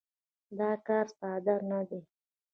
دا کار ساده نه دی.